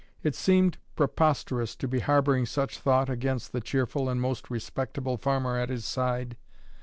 It seemed preposterous to be harbouring such thought against the cheerful and most respectable farmer at his side.